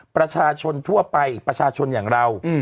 ประชาชนทั่วไปประชาชนอย่างเรา